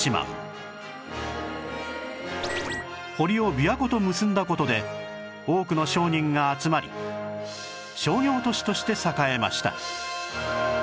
堀を琵琶湖と結んだ事で多くの商人が集まり商業都市として栄えました